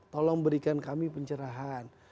tolong berikan kami pencerahan